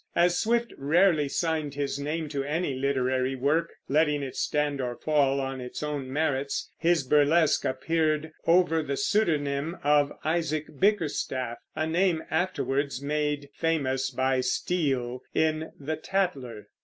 As Swift rarely signed his name to any literary work, letting it stand or fall on its own merits, his burlesque appeared over the pseudonym of Isaac Bickerstaff, a name afterwards made famous by Steele in The Tatler.